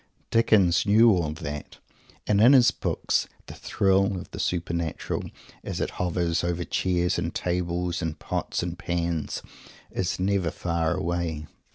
Dickens knew all that, and in his books the thrill of the supernatural, as it hovers over chairs and tables and pots and pans, is never far away.